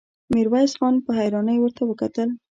ميرويس خان په حيرانۍ ورته وکتل.